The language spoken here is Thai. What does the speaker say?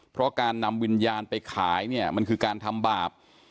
เพราะการนำวิญญาณไปขายเนี่ยมันคือการทำบาป